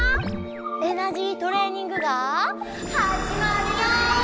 エナジートレーニングがはじまるよ！